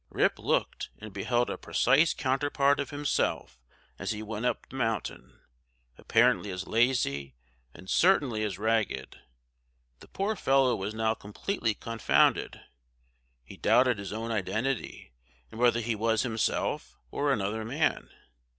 Rip looked, and beheld a precise counterpart of himself as he went up the mountain; apparently as lazy, and certainly as ragged. The poor fellow was now completely confounded. He doubted his own identity, and whether he was himself or another man.